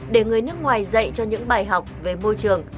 để người nước ngoài dạy cho những bài học về môi trường